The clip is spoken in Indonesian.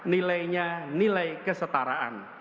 nilainya nilai kesetaraan